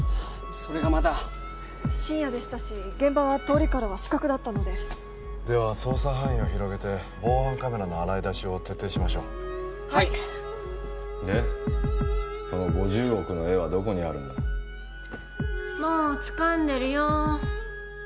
それがまだ深夜でしたし現場は通りからは死角だったのででは捜査範囲を広げて防犯カメラの洗い出しを徹底しましょうはいでその５０億の絵はどこにあるんだもうつかんでるよ